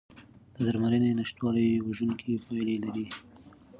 د درملنې نشتوالی وژونکي پایلې لري.